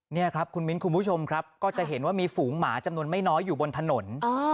นี่ครับคุณมิ้นคุณผู้ชมครับก็จะเห็นว่ามีฝูงหมาจำนวนไม่น้อยอยู่บนถนน